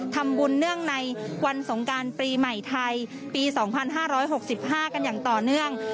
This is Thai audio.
เนื่องในวันสงการปีใหม่ไทยปี๒๕๖๕กันอย่างต่อเนื่อง